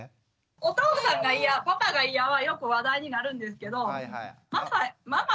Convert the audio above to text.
お父さんが嫌パパが嫌はよく話題になるんですけどママ